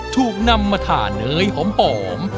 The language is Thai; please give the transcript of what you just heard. ถูกนำมาถ่าเนยหอม